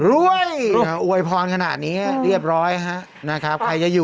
เอาข้ายักษ์ท่านล่ะบอกเรามีรวย